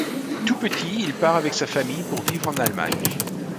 Tout petit il part avec sa famille pour vivre en Allemagne.